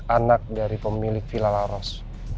anak dari pemilik vila laros